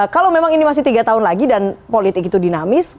kalau memang ini masih tiga tahun lagi dan politik itu dinamis